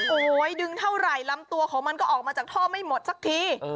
โอ้โหดึงเท่าไหร่ลำตัวของมันก็ออกมาจากท่อไม่หมดสักที